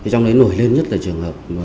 trong đấy nổi lên nhất là trường hợp